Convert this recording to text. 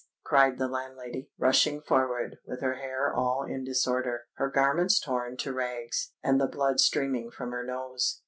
cried the landlady, rushing forward, with her hair all in disorder, her garments torn to rags, and the blood streaming from her nose.